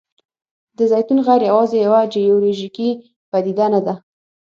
د زیتون غر یوازې یوه جیولوجیکي پدیده نه ده.